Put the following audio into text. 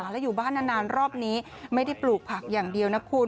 แล้วอยู่บ้านนานรอบนี้ไม่ได้ปลูกผักอย่างเดียวนะคุณ